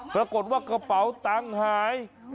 ปรากฏว่ากระเป๋าตังค์หาย